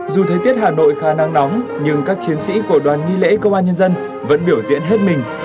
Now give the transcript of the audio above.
dù thời tiết hà nội khá nắng nóng nhưng các chiến sĩ của đoàn nghi lễ công an nhân dân vẫn biểu diễn hết mình